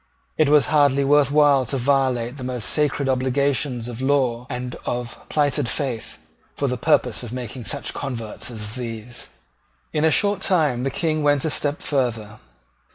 It was hardly worth while to violate the most sacred obligations of law and of plighted faith, for the purpose of making such converts as these. In a short time the King went a step further.